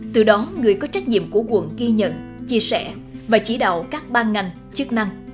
từ đó người có trách nhiệm của quận ghi nhận chia sẻ và chỉ đạo các ban ngành chức năng